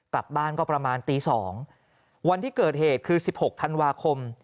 กลับบ้านก็ประมาณตี๒วันที่เกิดเหตุคือ๑๖ธันวาคม